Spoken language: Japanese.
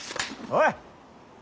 おい。